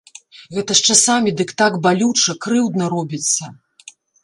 Гэта ж часамі дык так балюча, крыўдна робіцца.